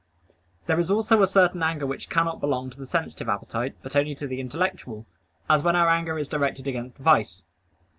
There is also a certain anger which cannot belong to the sensitive appetite, but only to the intellectual; as when our anger is directed against vice.